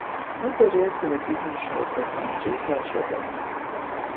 ავტორი ასევე დიდ მნიშვნელობას ანიჭებს ვაჭრობას.